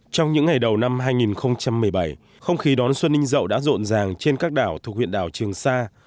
trong những ngày đầu năm hai nghìn một mươi bảy không khí đón xuân ninh dậu đã rộn ràng trên các đảo thuộc huyện đảo trường sa